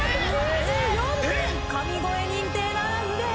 神声認定ならずです。